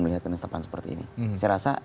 melihat kondisi depan seperti ini saya rasa